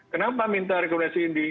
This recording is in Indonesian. kenapa minta rekomendasi idi